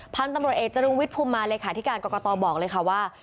พันธุ์ตำรวจเอกจรุงวิทย์ภูมิมาเลขาธิการกรกตบอกเลยค่ะว่า